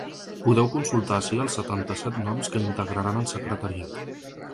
Podeu consultar ací els setanta-set noms que integraran el secretariat.